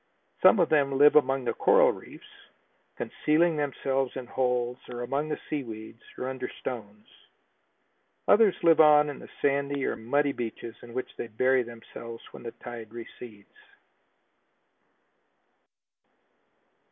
Some of them live among the coral reefs, concealing themselves in holes or among the sea weeds or under stones. Others live on the sandy or muddy beaches in which they bury themselves when the tide recedes.